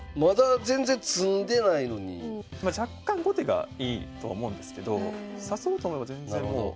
若干後手がいいと思うんですけど指そうと思えば全然もう。